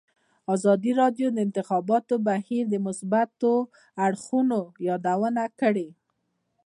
ازادي راډیو د د انتخاباتو بهیر د مثبتو اړخونو یادونه کړې.